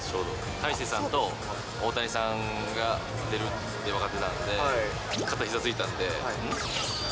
大勢さんと大谷さんが出るって分かってたんで、片ひざついたんで、ん？